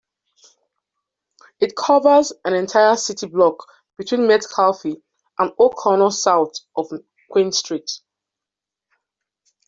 It covers an entire city block between Metcalfe and O'Connor south of Queen Street.